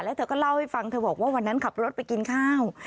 แล้วเธอก็เล่าให้ฟังเธอบอกว่าวันนั้นขับรถไปกินข้าว